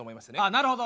なるほど。